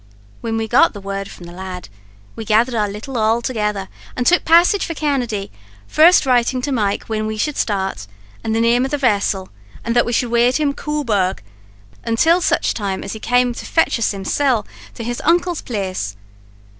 "Whin we got the word from the lad, we gathered our little all together, an' took passage for Canady, first writin' to Mike whin we should start, an' the name of the vessel; an' that we should wait at Cobourg until sich time as he came to fetch us himsel' to his uncle's place.